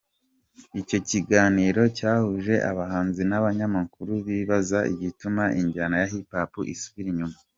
Icyo kiganiro cyahuje abahanzi n’abanyamakuru bibaza igituma injyana ya Hip Hop isubira inyuma.